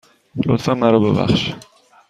لطفاً من را ببخش.